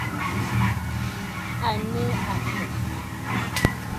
À nɨ̂ àkə̀?